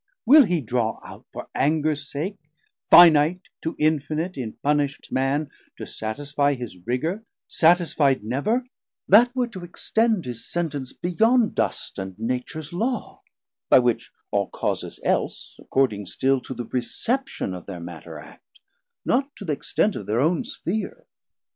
Will he, draw out, For angers sake, finite to infinite In punisht man, to satisfie his rigour Satisfi'd never; that were to extend His Sentence beyond dust and Natures Law, By which all Causes else according still To the reception of thir matter act, Not to th' extent of thir own Spheare.